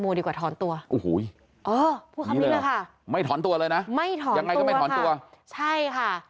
ไม่ถอนตัวค่ะยังไงก็ไม่ถอนตัวใช่ค่ะไม่ถอนตัวค่ะ